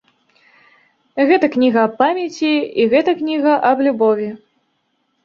Гэта кніга аб памяці і гэта кніга аб любові.